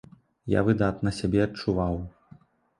Я выдатна сябе адчуваў.